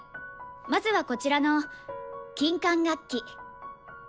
まずはこちらの金管楽器。